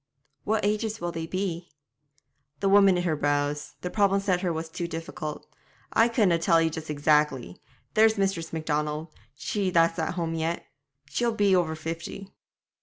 'What ages will they be?' The woman knit her brows; the problem set her was too difficult. 'I couldna tell ye just exactly. There's Miss Macdonald she that's at home yet; she'll be over fifty.'